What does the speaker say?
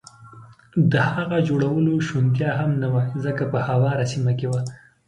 د هغه د جوړولو شونتیا هم نه وه، ځکه په هواره سیمه کې و.